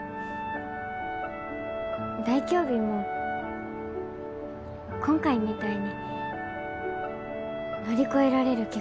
大凶日も今回みたいに乗り越えられる気がします。